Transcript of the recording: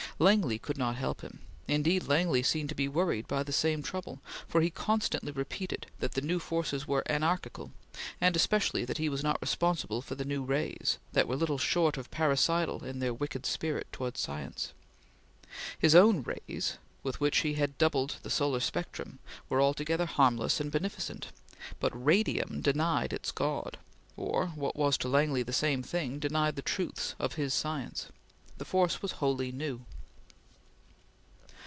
Langley could not help him. Indeed, Langley seemed to be worried by the same trouble, for he constantly repeated that the new forces were anarchical, and especially that he was not responsible for the new rays, that were little short of parricidal in their wicked spirit towards science. His own rays, with which he had doubled the solar spectrum, were altogether harmless and beneficent; but Radium denied its God or, what was to Langley the same thing, denied the truths of his Science. The force was wholly new.